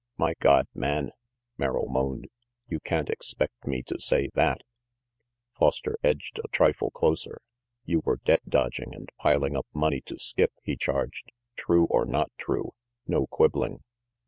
"My God, man!" Merrill moaned. "You can't expect me to say that." 398 RANGY PETE Foster edged a trifle closer. "You were debt dodging and piling up moi to skip," lie charged. "True or not true. No quibb ling."